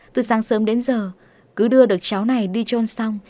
từ sáng sớm đến giờ cứ đưa được cháu này đi trôn xong